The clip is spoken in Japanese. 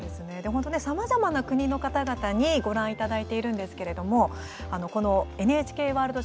本当ね、さまざまな国の方々にご覧いただいているんですけれどもこのＮＨＫワールドＪＡＰＡＮ